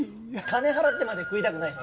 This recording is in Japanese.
金払ってまで食いたくない。